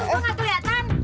eh gak keliatan